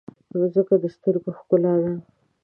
مځکه د سترګو ښکلا ده.